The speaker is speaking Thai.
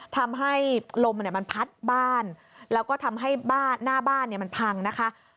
ทำให้ลมมันพัดบ้านแล้วก็ทำให้บ้านหน้าบ้านมันพังนะคะ